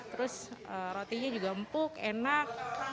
terus rotinya juga empuk enak